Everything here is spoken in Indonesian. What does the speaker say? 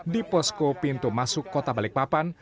di posko pintu masuk kota balikpapan